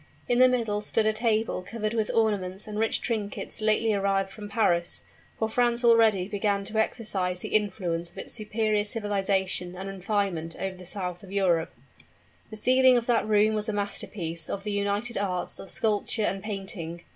In the middle stood a table covered with ornaments and rich trinkets lately arrived from Paris for France already began to exercise the influence of its superior civilization and refinement over the south of Europe. The ceiling of that room was a master piece of the united arts of sculpture and painting.